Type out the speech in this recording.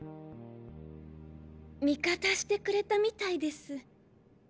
味方してくれたみたいです。